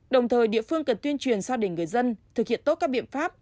đồng thời địa phương cần tuyên truyền xác định người dân thực hiện tốt các biện pháp